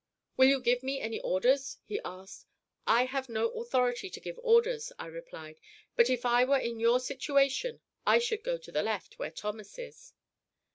"Will you give me any orders?" he asked. "I have no authority to give orders," I replied; "but if I were in your situation I should go to the left, where Thomas is."